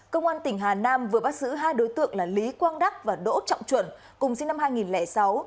công an tỉnh hà nam vừa bác sứ hai đối tượng lý quang đắc và đỗ trọng chuẩn cùng sinh năm hai nghìn sáu